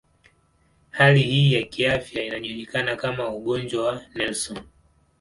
Hali hii ya kiafya inajulikana kama ugonjwa wa Nelson.